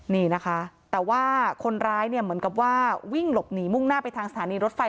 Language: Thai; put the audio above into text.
นี่นะคะแต่ว่าคนร้ายเนี่ยเหมือนกับว่าวิ่งหลบหนีมุ่งหน้าไปทางสถานีรถไฟ